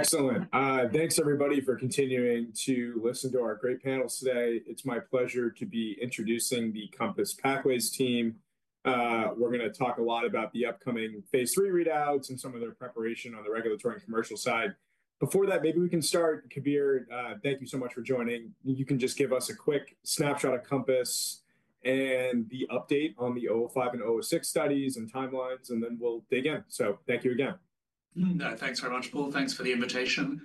Excellent. Thanks, everybody, for continuing to listen to our great panels today. It's my pleasure to be introducing the Compass Pathways team. We're going to talk a lot about the upcoming Phase III readouts and some of their preparation on the regulatory and commercial side. Before that, maybe we can start. Kabir, thank you so much for joining. You can just give us a quick snapshot of Compass and the update on the 005 and 006 studies and timelines, and then we'll dig in. Thank you again. Thanks very much, Paul. Thanks for the invitation.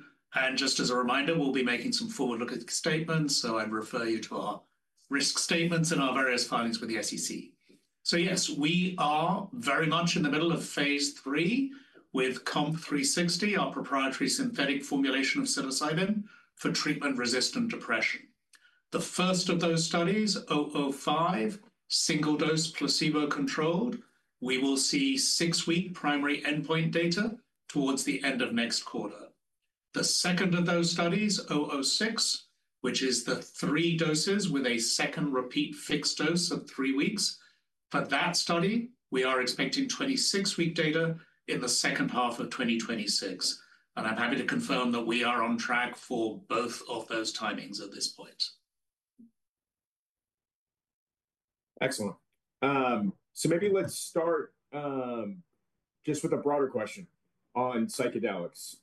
Just as a reminder, we'll be making some forward-looking statements, so I'd refer you to our risk statements and our various filings with the SEC. Yes, we are very much in the middle of Phase III with COMP360, our proprietary synthetic formulation of psilocybin for treatment-resistant depression. The first of those studies, 005, single dose placebo-controlled, we will see six-week primary endpoint data towards the end of next quarter. The second of those studies, 006, which is the three doses with a second repeat fixed dose of three weeks. For that study, we are expecting 26-week data in the second half of 2026. I'm happy to confirm that we are on track for both of those timings at this point. Excellent. Maybe let's start just with a broader question on psychedelics.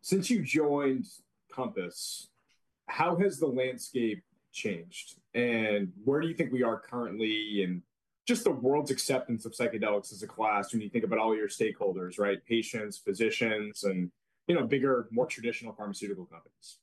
Since you joined Compass, how has the landscape changed? Where do you think we are currently in just the world's acceptance of psychedelics as a class when you think about all your stakeholders, right? Patients, physicians, and bigger, more traditional pharmaceutical companies.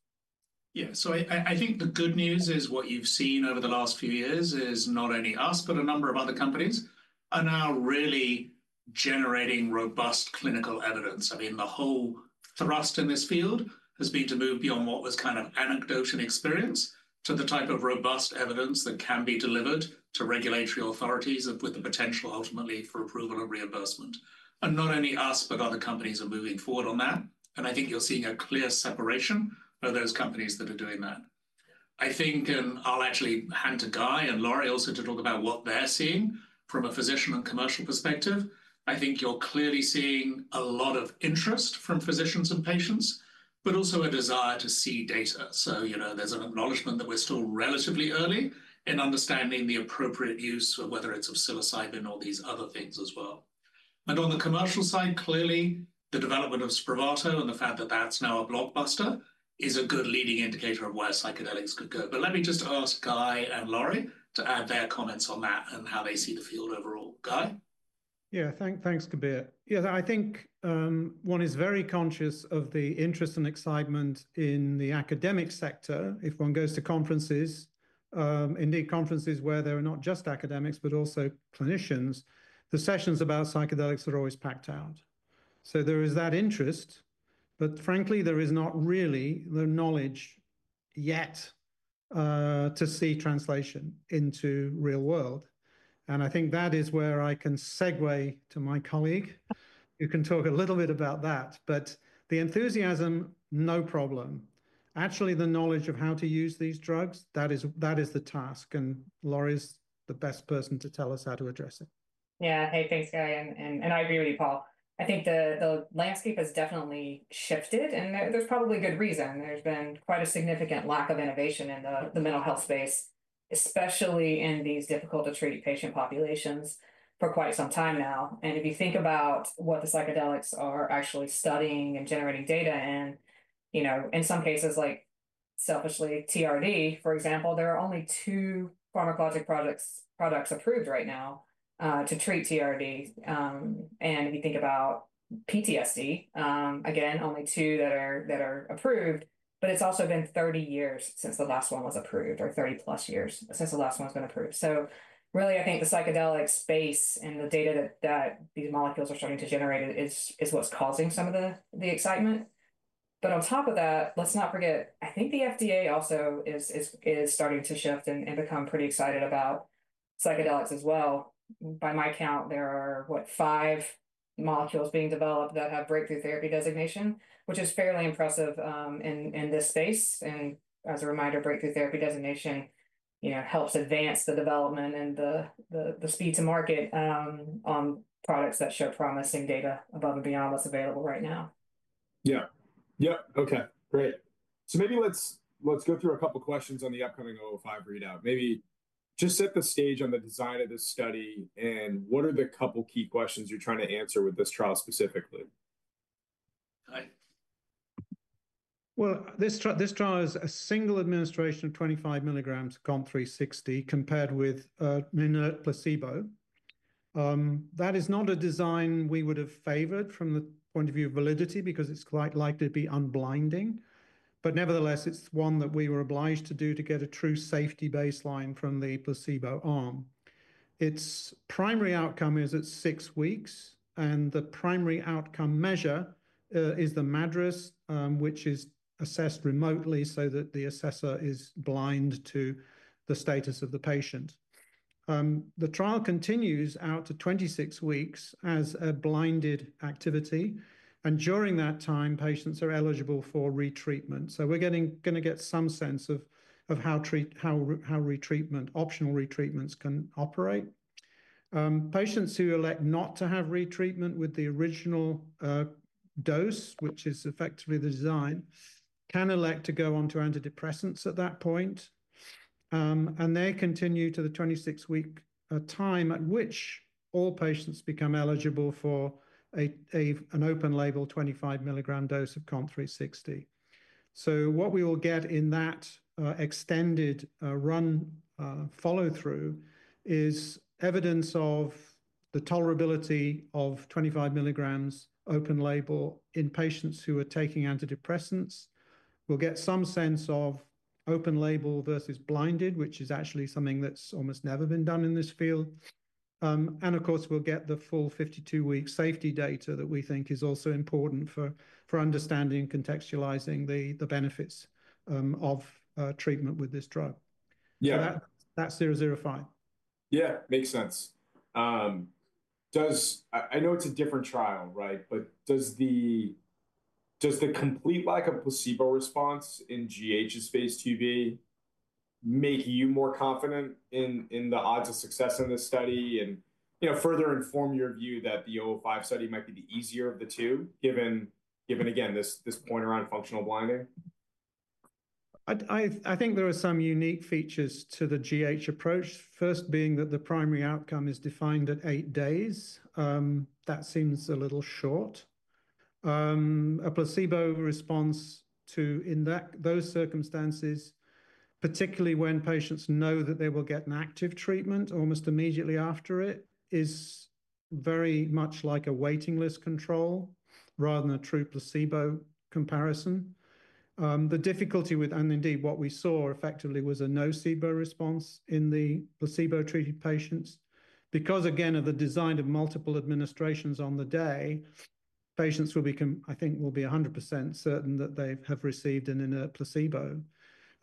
Yeah. I think the good news is what you've seen over the last few years is not only us, but a number of other companies are now really generating robust clinical evidence. I mean, the whole thrust in this field has been to move beyond what was kind of anecdote and experience to the type of robust evidence that can be delivered to regulatory authorities with the potential ultimately for approval and reimbursement. Not only us, but other companies are moving forward on that. I think you're seeing a clear separation of those companies that are doing that. I think, and I'll actually hand to Guy and Lori also to talk about what they're seeing from a physician and commercial perspective. I think you're clearly seeing a lot of interest from physicians and patients, but also a desire to see data. There is an acknowledgment that we are still relatively early in understanding the appropriate use of whether it is of psilocybin or these other things as well. On the commercial side, clearly, the development of SPRAVATO and the fact that that is now a blockbuster is a good leading indicator of where psychedelics could go. Let me just ask Guy and Lori to add their comments on that and how they see the field overall. Guy? Yeah, thanks, Kabir. Yeah, I think one is very conscious of the interest and excitement in the academic sector. If one goes to conferences, indeed conferences where there are not just academics, but also clinicians, the sessions about psychedelics are always packed out. There is that interest, but frankly, there is not really the knowledge yet to see translation into real world. I think that is where I can segue to my colleague who can talk a little bit about that. The enthusiasm, no problem. Actually, the knowledge of how to use these drugs, that is the task. Lori's the best person to tell us how to address it. Yeah. Hey, thanks, Guy. I agree with you, Paul. I think the landscape has definitely shifted, and there's probably a good reason. There's been quite a significant lack of innovation in the mental health space, especially in these difficult-to-treat patient populations for quite some time now. If you think about what the psychedelics are actually studying and generating data in, in some cases, like selfishly, TRD, for example, there are only two pharmacologic products approved right now to treat TRD. If you think about PTSD, again, only two that are approved. It's also been 30 years since the last one was approved or 30-plus years since the last one's been approved. Really, I think the psychedelic space and the data that these molecules are starting to generate is what's causing some of the excitement. On top of that, let's not forget, I think the FDA also is starting to shift and become pretty excited about psychedelics as well. By my count, there are, what, five molecules being developed that have breakthrough therapy designation, which is fairly impressive in this space. As a reminder, breakthrough therapy designation helps advance the development and the speed to market on products that show promising data above and beyond what's available right now. Yeah. Yep. Okay. Great. Maybe let's go through a couple of questions on the upcoming 005 readout. Maybe just set the stage on the design of this study and what are the couple of key questions you're trying to answer with this trial specifically? This trial is a single administration of 25 mg of COMP360 compared with placebo. That is not a design we would have favored from the point of view of validity because it's quite likely to be unblinding. Nevertheless, it's one that we were obliged to do to get a true safety baseline from the placebo arm. Its primary outcome is at six weeks, and the primary outcome measure is the MADRS, which is assessed remotely so that the assessor is blind to the status of the patient. The trial continues out to 26 weeks as a blinded activity. During that time, patients are eligible for retreatment. We're going to get some sense of how optional retreatments can operate. Patients who elect not to have retreatment with the original dose, which is effectively the design, can elect to go on to antidepressants at that point. They continue to the 26-week time at which all patients become eligible for an open-label 25 mg dose of COMP360. What we will get in that extended run follow-through is evidence of the tolerability of 25 mg open-label in patients who are taking antidepressants. We'll get some sense of open-label versus blinded, which is actually something that's almost never been done in this field. Of course, we'll get the full 52-week safety data that we think is also important for understanding and contextualizing the benefits of treatment with this drug. That's 005. Yeah, makes sense. I know it's a different trial, right? But does the complete lack of placebo response in GH's phase 2b make you more confident in the odds of success in this study and further inform your view that the 005 study might be the easier of the two given, again, this point around functional blinding? I think there are some unique features to the GH approach, first being that the primary outcome is defined at eight days. That seems a little short. A placebo response to those circumstances, particularly when patients know that they will get an active treatment almost immediately after it, is very much like a waiting list control rather than a true placebo comparison. The difficulty with, and indeed what we saw effectively, was a nocebo response in the placebo-treated patients. Because, again, of the design of multiple administrations on the day, patients will be, I think, will be 100% certain that they have received an inert placebo.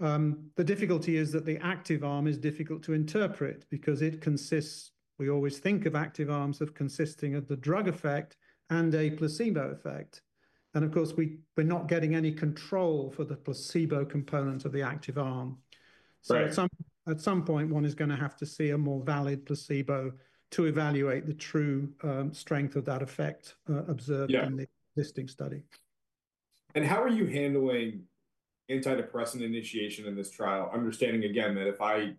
The difficulty is that the active arm is difficult to interpret because it consists, we always think of active arms of consisting of the drug effect and a placebo effect. Of course, we're not getting any control for the placebo component of the active arm. At some point, one is going to have to see a more valid placebo to evaluate the true strength of that effect observed in the existing study. How are you handling antidepressant initiation in this trial? Understanding, again, that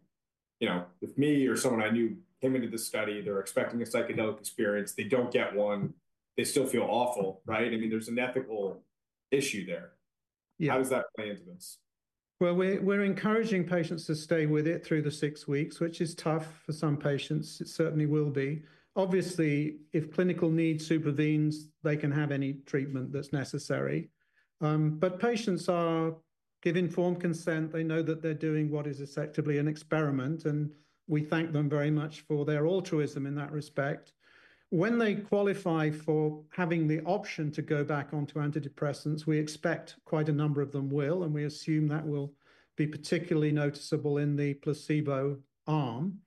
if me or someone I knew came into this study, they're expecting a psychedelic experience, they don't get one, they still feel awful, right? I mean, there's an ethical issue there. How does that play into this? We are encouraging patients to stay with it through the six weeks, which is tough for some patients. It certainly will be. Obviously, if clinical need supervenes, they can have any treatment that is necessary. Patients give informed consent. They know that they are doing what is effectively an experiment, and we thank them very much for their altruism in that respect. When they qualify for having the option to go back onto antidepressants, we expect quite a number of them will, and we assume that will be particularly noticeable in the placebo arm.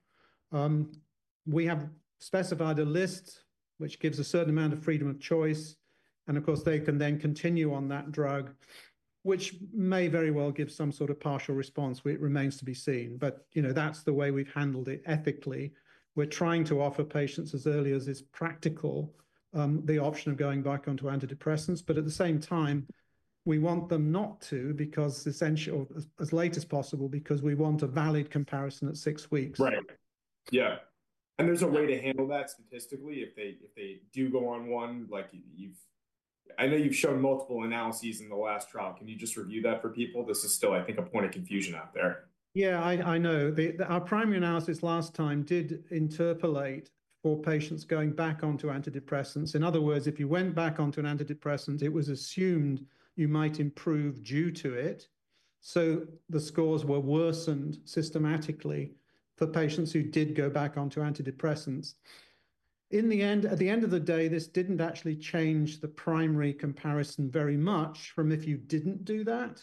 We have specified a list which gives a certain amount of freedom of choice. Of course, they can then continue on that drug, which may very well give some sort of partial response. It remains to be seen. That is the way we have handled it ethically. We're trying to offer patients as early as it's practical the option of going back onto antidepressants. At the same time, we want them not to because as late as possible because we want a valid comparison at six weeks. Right. Yeah. There is a way to handle that statistically if they do go on one. I know you've shown multiple analyses in the last trial. Can you just review that for people? This is still, I think, a point of confusion out there. Yeah, I know. Our primary analysis last time did interpolate for patients going back onto antidepressants. In other words, if you went back onto an antidepressant, it was assumed you might improve due to it. So the scores were worsened systematically for patients who did go back onto antidepressants. At the end of the day, this did not actually change the primary comparison very much from if you did not do that.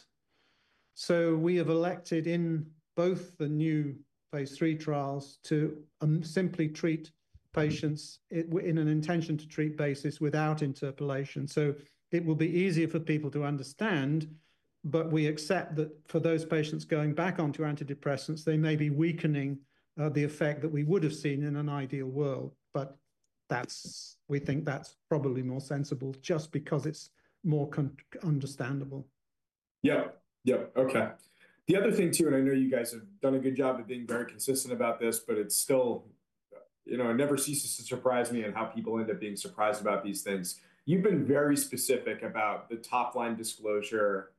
We have elected in both the new Phase III trials to simply treat patients in an intention-to-treat basis without interpolation. It will be easier for people to understand, but we accept that for those patients going back onto antidepressants, they may be weakening the effect that we would have seen in an ideal world. We think that is probably more sensible just because it is more understandable. Yep. Yep. Okay. The other thing too, and I know you guys have done a good job of being very consistent about this, but it still never ceases to surprise me in how people end up being surprised about these things. You've been very specific about the top-line disclosure,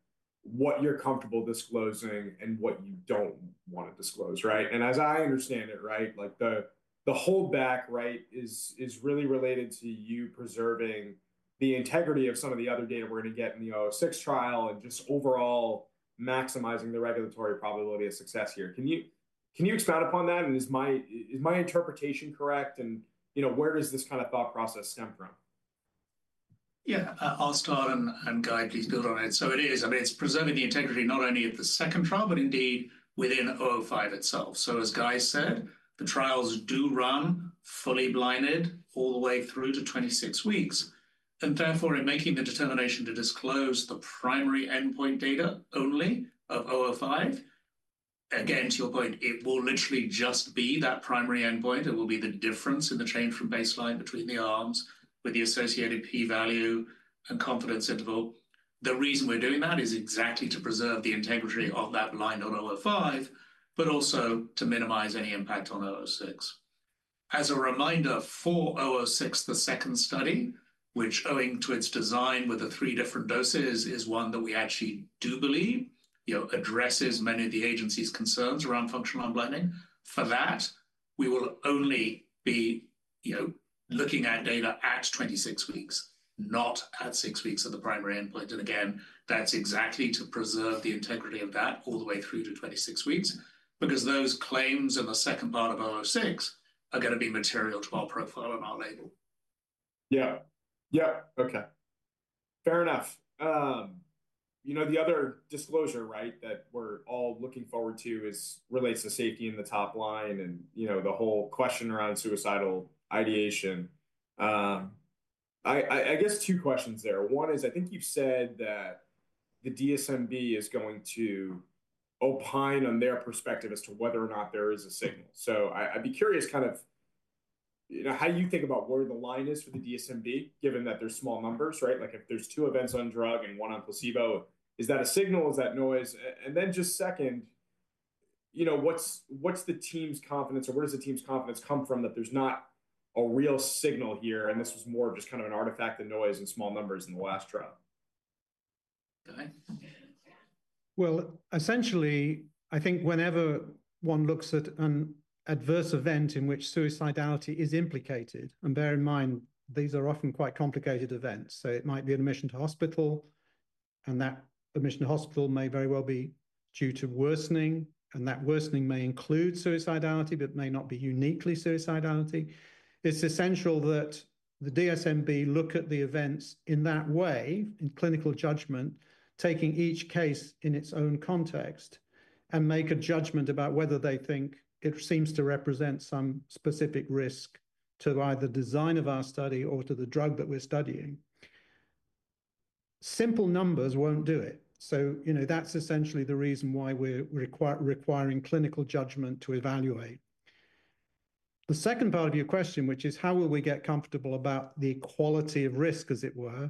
what you're comfortable disclosing, and what you don't want to disclose, right? As I understand it, right, the holdback, right, is really related to you preserving the integrity of some of the other data we're going to get in the 06 trial and just overall maximizing the regulatory probability of success here. Can you expand upon that? Is my interpretation correct? Where does this kind of thought process stem from? Yeah, I'll start, and Guy, please build on it. It is. I mean, it's preserving the integrity not only of the second trial, but indeed within 005 itself. As Guy said, the trials do run fully blinded all the way through to 26 weeks. Therefore, in making the determination to disclose the primary endpoint data only of 005, again, to your point, it will literally just be that primary endpoint. It will be the difference in the change from baseline between the arms with the associated p-value and confidence interval. The reason we're doing that is exactly to preserve the integrity of that blind on 005, but also to minimize any impact on 06. As a reminder, for 006, the second study, which owing to its design with the three different doses, is one that we actually do believe addresses many of the agency's concerns around functional unblinding. For that, we will only be looking at data at 26 weeks, not at six weeks at the primary endpoint. That is exactly to preserve the integrity of that all the way through to 26 weeks because those claims in the second part of 06 are going to be material to our profile and our label. Yeah. Yep. Okay. Fair enough. The other disclosure, right, that we're all looking forward to relates to safety in the top line and the whole question around suicidal ideation. I guess two questions there. One is, I think you've said that the DSMB is going to opine on their perspective as to whether or not there is a signal. I'd be curious kind of how you think about where the line is for the DSMB, given that there's small numbers, right? Like if there's two events on drug and one on placebo, is that a signal? Is that noise? Then just second, what's the team's confidence or where does the team's confidence come from that there's not a real signal here? This was more just kind of an artifact of noise and small numbers in the last trial. Essentially, I think whenever one looks at an adverse event in which suicidality is implicated, and bear in mind, these are often quite complicated events. It might be an admission to hospital, and that admission to hospital may very well be due to worsening, and that worsening may include suicidality, but it may not be uniquely suicidality. It is essential that the DSMB look at the events in that way, in clinical judgment, taking each case in its own context and make a judgment about whether they think it seems to represent some specific risk to either the design of our study or to the drug that we are studying. Simple numbers will not do it. That is essentially the reason why we are requiring clinical judgment to evaluate. The second part of your question, which is how will we get comfortable about the quality of risk, as it were,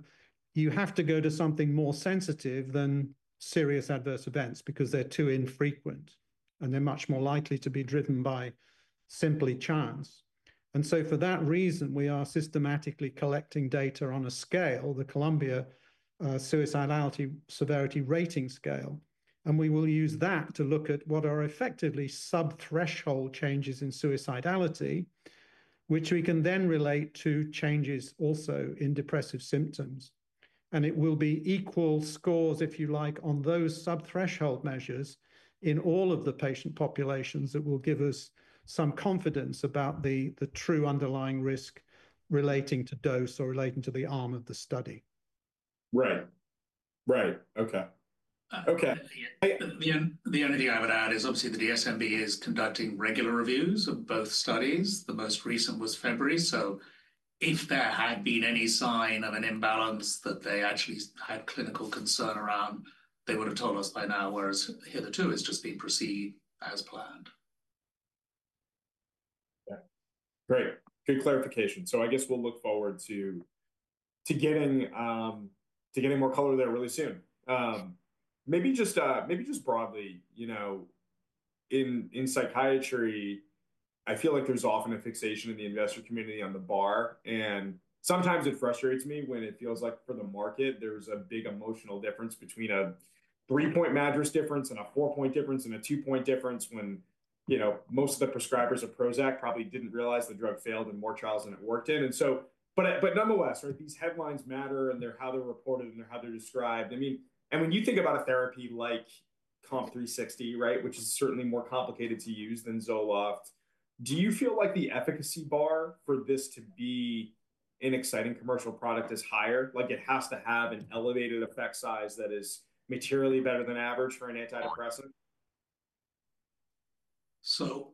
you have to go to something more sensitive than serious adverse events because they're too infrequent, and they're much more likely to be driven by simply chance. For that reason, we are systematically collecting data on a scale, the Columbia Suicidality Severity Rating Scale. We will use that to look at what are effectively sub-threshold changes in suicidality, which we can then relate to changes also in depressive symptoms. It will be equal scores, if you like, on those sub-threshold measures in all of the patient populations that will give us some confidence about the true underlying risk relating to dose or relating to the arm of the study. Right. Right. Okay. Okay. The only thing I would add is obviously the DSMB is conducting regular reviews of both studies. The most recent was February. If there had been any sign of an imbalance that they actually had clinical concern around, they would have told us by now, whereas hitherto it's just been proceed as planned. Yeah. Great. Good clarification. I guess we'll look forward to getting more color there really soon. Maybe just broadly, in psychiatry, I feel like there's often a fixation in the investor community on the bar. Sometimes it frustrates me when it feels like for the market, there's a big emotional difference between a three-point MADRS difference and a four-point difference and a two-point difference when most of the prescribers of Prozac probably didn't realize the drug failed in more trials than it worked in. Nonetheless, these headlines matter and how they're reported and how they're described. When you think about a therapy like COMP360, right, which is certainly more complicated to use than Zoloft, do you feel like the efficacy bar for this to be an exciting commercial product is higher? Like it has to have an elevated effect size that is materially better than average for an antidepressant?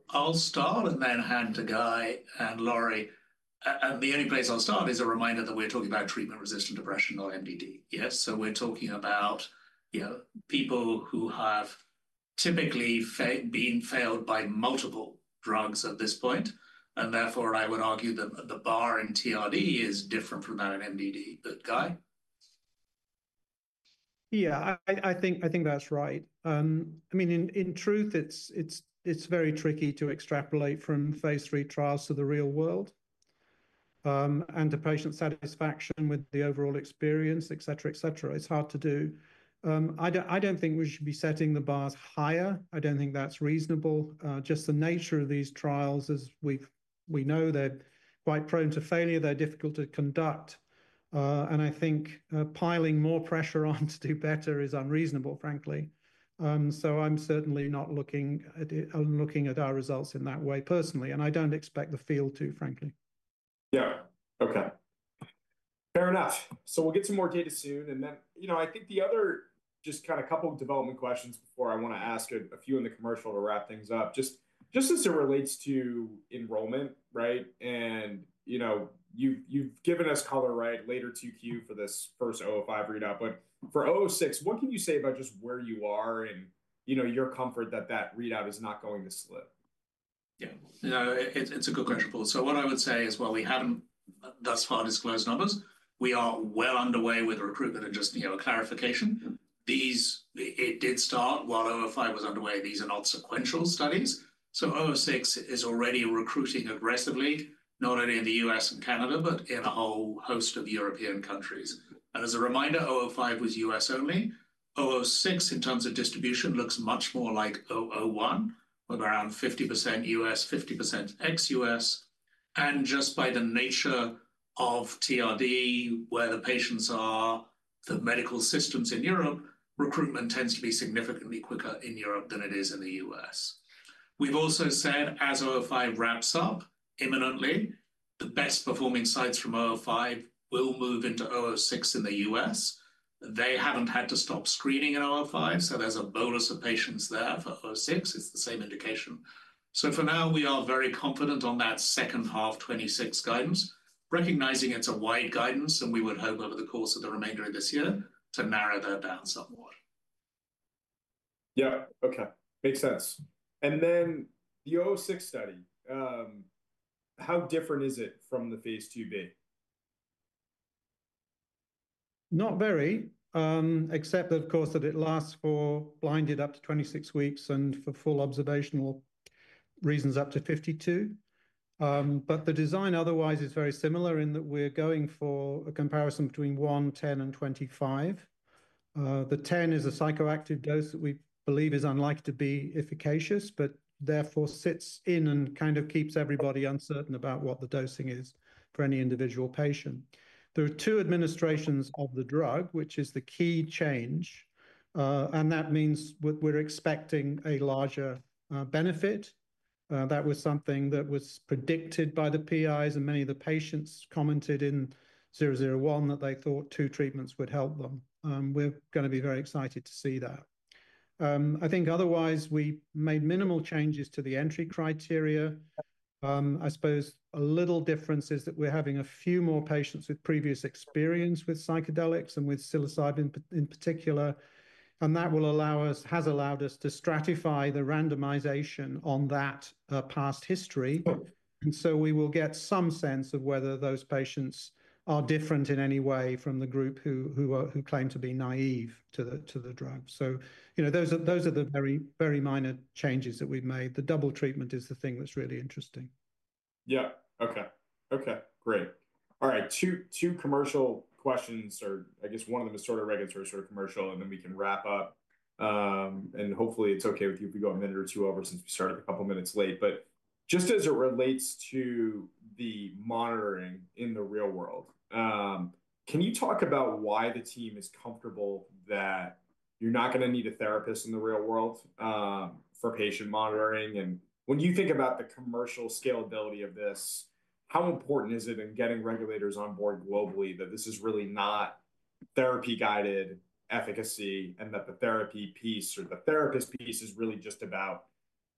I'll start and then hand to Guy and Lori. The only place I'll start is a reminder that we're talking about treatment-resistant depression, not MDD, yes? We're talking about people who have typically been failed by multiple drugs at this point. Therefore, I would argue that the bar in TRD is different from that in MDD. Guy? Yeah, I think that's right. I mean, in truth, it's very tricky to extrapolate from Phase III trials to the real world and to patient satisfaction with the overall experience, etc., etc. It's hard to do. I don't think we should be setting the bars higher. I don't think that's reasonable. Just the nature of these trials, as we know, they're quite prone to failure. They're difficult to conduct. I think piling more pressure on to do better is unreasonable, frankly. I'm certainly not looking at our results in that way personally. I don't expect the field to, frankly. Yeah. Okay. Fair enough. We'll get some more data soon. I think the other just kind of couple of development questions before I want to ask a few in the commercial to wrap things up, just as it relates to enrollment, right? You've given us color, right, later to Q4 for this first 005 readout. For 006, what can you say about just where you are and your comfort that that readout is not going to slip? Yeah. No, it's a good question, Paul. What I would say is, while we haven't thus far disclosed numbers, we are well underway with recruitment and just clarification. It did start while 005 was underway. These are not sequential studies. 006 is already recruiting aggressively, not only in the U.S. and Canada, but in a whole host of European countries. As a reminder, 005 was U.S. only. 006, in terms of distribution, looks much more like 001, with around 50% U.S., 50% ex-U.S. Just by the nature of TRD, where the patients are, the medical systems in Europe, recruitment tends to be significantly quicker in Europe than it is in the U.S. We've also said as 005 wraps up imminently, the best-performing sites from 05 will move into 06 in the U.S. They haven't had to stop screening in 005, so there's a bonus of patients there for 006. It's the same indication. For now, we are very confident on that second half 2026 guidance, recognizing it's a wide guidance, and we would hope over the course of the remainder of this year to narrow that down somewhat. Yeah. Okay. Makes sense. And then the 06 study, how different is it from the Phase 2B? Not very, except, of course, that it lasts for blinded up to 26 weeks and for full observational reasons up to 52. The design otherwise is very similar in that we're going for a comparison between 1, 10, and 25. The 10 is a psychoactive dose that we believe is unlikely to be efficacious, but therefore sits in and kind of keeps everybody uncertain about what the dosing is for any individual patient. There are two administrations of the drug, which is the key change. That means we're expecting a larger benefit. That was something that was predicted by the PIs, and many of the patients commented in 001 that they thought two treatments would help them. We're going to be very excited to see that. I think otherwise we made minimal changes to the entry criteria. I suppose a little difference is that we're having a few more patients with previous experience with psychedelics and with psilocybin in particular. That has allowed us to stratify the randomization on that past history. We will get some sense of whether those patients are different in any way from the group who claim to be naive to the drug. Those are the very, very minor changes that we've made. The double treatment is the thing that's really interesting. Yeah. Okay. Okay. Great. All right. Two commercial questions, or I guess one of them is sort of regulatory, sort of commercial, and then we can wrap up. Hopefully, it's okay with you if we go a minute or two over since we started a couple of minutes late. Just as it relates to the monitoring in the real world, can you talk about why the team is comfortable that you're not going to need a therapist in the real world for patient monitoring? When you think about the commercial scalability of this, how important is it in getting regulators on board globally that this is really not therapy-guided efficacy and that the therapy piece or the therapist piece is really just about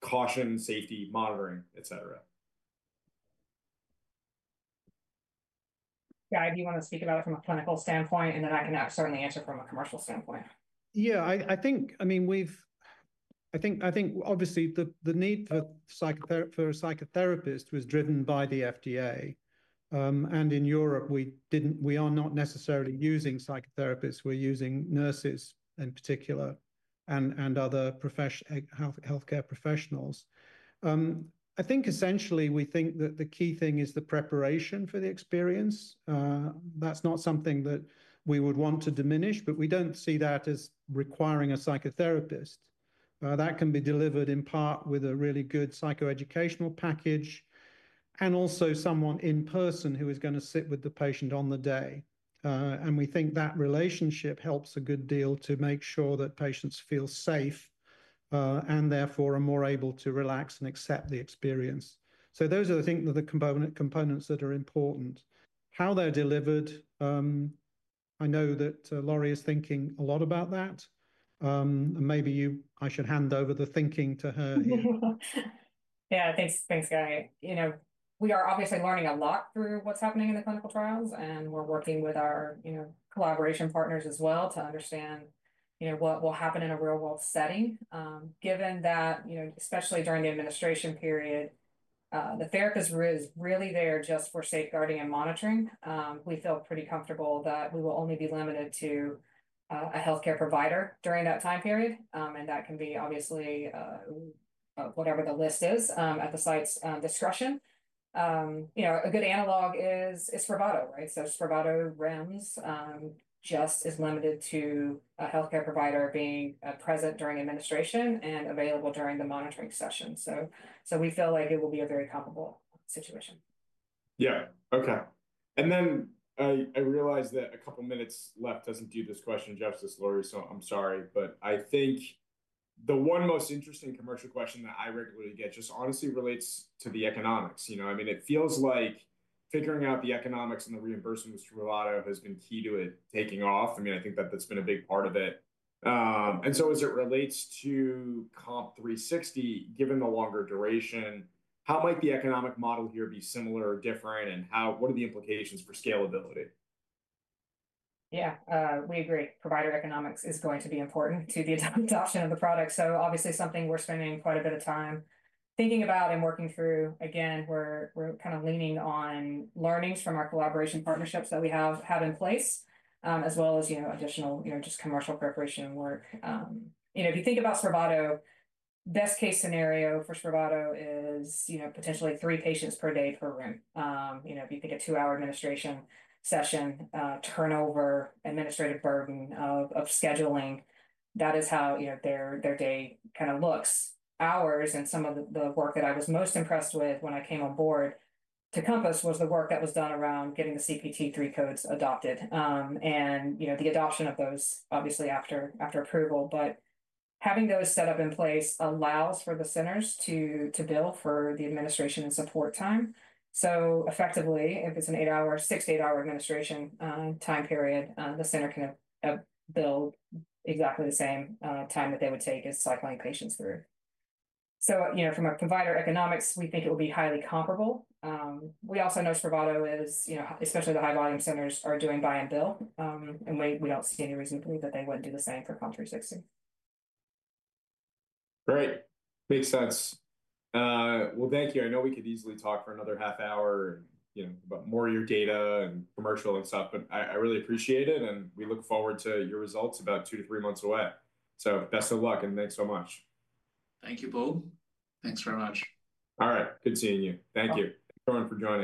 caution, safety, monitoring, etc.? Guy, do you want to speak about it from a clinical standpoint, and then I can certainly answer from a commercial standpoint? Yeah. I think, I mean, I think obviously the need for a psychotherapist was driven by the FDA. In Europe, we are not necessarily using psychotherapists. We're using nurses in particular and other healthcare professionals. I think essentially we think that the key thing is the preparation for the experience. That's not something that we would want to diminish, but we don't see that as requiring a psychotherapist. That can be delivered in part with a really good psychoeducational package and also someone in person who is going to sit with the patient on the day. We think that relationship helps a good deal to make sure that patients feel safe and therefore are more able to relax and accept the experience. Those are the components that are important. How they're delivered, I know that Lori is thinking a lot about that. Maybe I should hand over the thinking to her. Yeah. Thanks, Guy. We are obviously learning a lot through what's happening in the clinical trials, and we're working with our collaboration partners as well to understand what will happen in a real-world setting. Given that, especially during the administration period, the therapist is really there just for safeguarding and monitoring. We feel pretty comfortable that we will only be limited to a healthcare provider during that time period. That can be obviously whatever the list is at the site's discretion. A good analog is SPRAVATO, right? SPRAVATO REMS just is limited to a healthcare provider being present during administration and available during the monitoring session. We feel like it will be a very comparable situation. Yeah. Okay. I realize that a couple of minutes left does not do this question justice, Lori, so I'm sorry. I think the one most interesting commercial question that I regularly get just honestly relates to the economics. I mean, it feels like figuring out the economics and the reimbursement with SPRAVATO has been key to it taking off. I think that has been a big part of it. As it relates to COMP360, given the longer duration, how might the economic model here be similar or different? What are the implications for scalability? Yeah. We agree. Provider economics is going to be important to the adoption of the product. Obviously, something we're spending quite a bit of time thinking about and working through. Again, we're kind of leaning on learnings from our collaboration partnerships that we have in place, as well as additional just commercial preparation work. If you think about SPRAVATO, best-case scenario for SPRAVATO is potentially three patients per day per room. If you think a two-hour administration session, turnover, administrative burden of scheduling, that is how their day kind of looks. Hours and some of the work that I was most impressed with when I came on board to Compass was the work that was done around getting the CPT III codes adopted and the adoption of those, obviously, after approval. Having those set up in place allows for the centers to bill for the administration and support time. Effectively, if it's an eight-hour, six to eight-hour administration time period, the center can bill exactly the same time that they would take as cycling patients through. From a provider economics, we think it will be highly comparable. We also know SPRAVATO, especially the high-volume centers, are doing buy and bill. We don't see any reason to believe that they wouldn't do the same for COMP360. Great. Makes sense. Thank you. I know we could easily talk for another half hour about more of your data and commercial and stuff, but I really appreciate it. We look forward to your results about two to three months away. Best of luck and thanks so much. Thank you, Paul. Thanks very much. All right. Good seeing you. Thank you. Thanks everyone for joining.